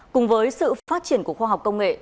cùng với sự phát triển của khoa học công nghệ